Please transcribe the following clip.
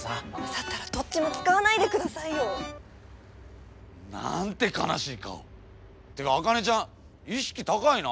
だったらどっちも使わないでくださいよ。なんて悲しい顔！っていうか茜ちゃん意識高いな。